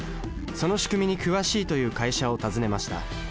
そのしくみに詳しいという会社を訪ねました。